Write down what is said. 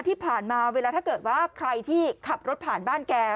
ที่ผ่านมาเวลาถ้าเกิดว่าใครที่ขับรถผ่านบ้านแก